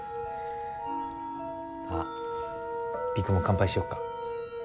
あ璃久も乾杯しよっか。